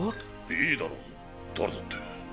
いいだろ誰だって！